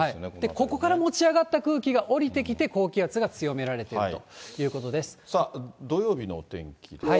ここから持ち上がった空気が下りてきて、高気圧が強められてさあ、土曜日のお天気ですが。